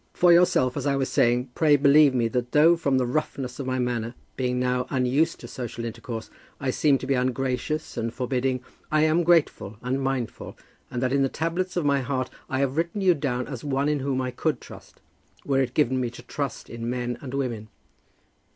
"For yourself, as I was saying, pray believe me that though from the roughness of my manner, being now unused to social intercourse, I seem to be ungracious and forbidding, I am grateful and mindful, and that in the tablets of my heart I have written you down as one in whom I could trust, were it given to me to trust in men and women."